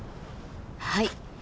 はい。